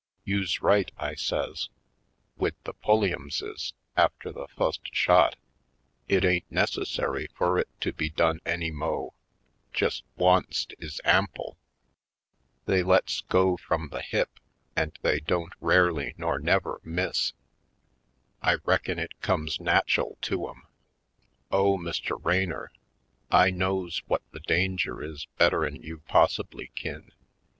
"You's right!" I says. "Wid the Pulliam ses, after the fust shot, it ain't necessary fur it to be done any mo' — jest once't is ample! They lets go frum the hip an' they don't rarely nor never miss — I reckin it comes natchel to 'em. Oh, Mr. Raynor, I knows whut the danger is better'n you possibly kin!